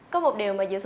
có một điều mà dự sử